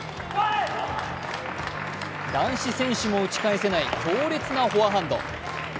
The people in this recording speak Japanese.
男子選手も打ち返せない強烈なフォアハンド。